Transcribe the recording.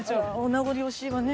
名残惜しいわね。